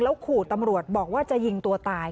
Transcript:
ขู่ตำรวจบอกว่าจะยิงตัวตาย